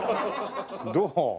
どう？